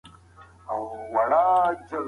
کابل د صبر او دوامداره هڅو درس ورکوي.